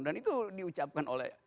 dan itu diucapkan oleh